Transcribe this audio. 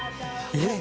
えっ？